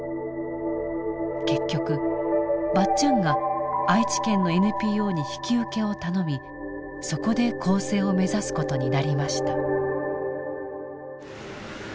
結局ばっちゃんが愛知県のＮＰＯに引き受けを頼みそこで更生を目指す事になりました。